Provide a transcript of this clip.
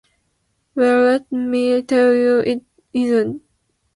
Well, let me tell you, it isn't!